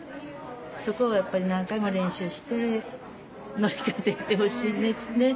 そこはやっぱり何回も練習して乗り越えて行ってほしいですね。